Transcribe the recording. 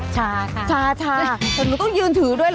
ชาค่ะชาแต่หนูต้องยืนถือด้วยเหรอ